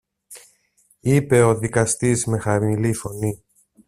είπε ο δικαστής με χαμηλή φωνή.